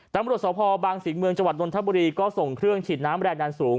ตำรวจสภบางสิงห์เมืองจังหวัดนทบุรีก็ส่งเครื่องฉีดน้ำแรงดันสูง